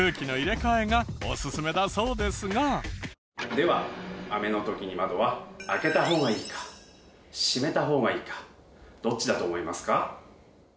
では雨の時に窓は開けた方がいいか閉めた方がいいかどっちだと思いますか？